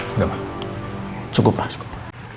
sudah ma cukup pak cukup